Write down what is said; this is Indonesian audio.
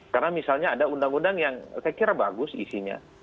karena misalnya ada undang undang yang saya kira bagus isinya